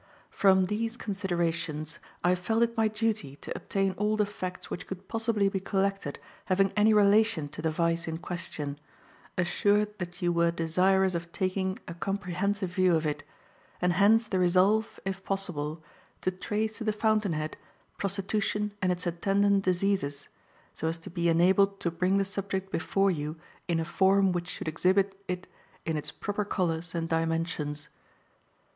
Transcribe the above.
"From these considerations, I felt it my duty to obtain all the facts which could possibly be collected having any relation to the vice in question, assured that you were desirous of taking a comprehensive view of it; and hence the resolve, if possible, to trace to the fountain head prostitution and its attendant diseases, so as to be enabled to bring the subject before you in a form which should exhibit it in its proper colors and dimensions.